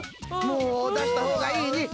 もう、出したほうがいいに。